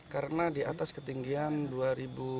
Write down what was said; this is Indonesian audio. karena di atas ketinggian dua rupiah